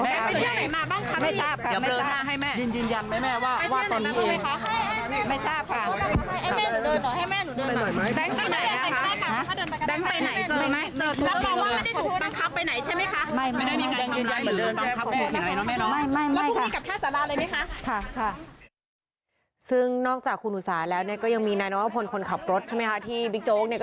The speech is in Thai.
ตั๊กตั๊กตั๊กตั๊กตั๊กคุณแบงค์นี่อยู่ตรงไหนค่ะตรงไหน